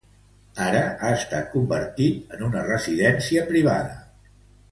Ara, ha estat convertit en una residència privada.